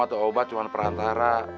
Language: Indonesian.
itu cuma perantara